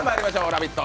「ラヴィット！」